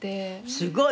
すごい！